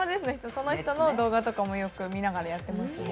その人の動画とかもよく見てやってますね。